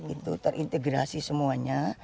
untuk terintegrasi semuanya